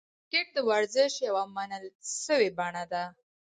کرکټ د ورزش یوه منل سوې بڼه ده.